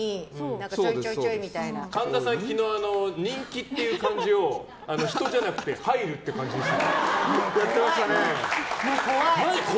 神田さん、昨日人気っていう漢字を人じゃなくて「入」って漢字にしてた。